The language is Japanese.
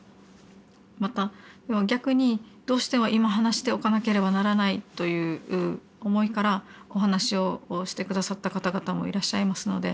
また逆にどうしても今話しておかなければならないという思いからお話をして下さった方々もいらっしゃいますので。